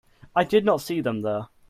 I did not see them there.